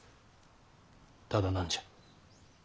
ただ何じゃ。